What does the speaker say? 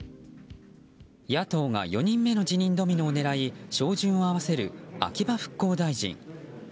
野党が４人目の辞任ドミノを狙いに照準を合わせる秋葉復興大臣。